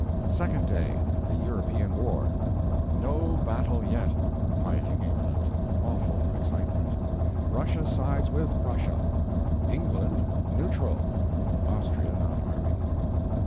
....................... Second Day THE EUROPEAN WAR NO BATTLE YET! FIGHTING IMMINENT. AWFUL EXCITEMENT. RUSSIA SIDES WITH PRUSSIA! ENGLAND NEUTRAL!! AUSTRIA NOT ARMING.